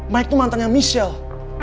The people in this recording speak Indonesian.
mike tuh mantan nya michelle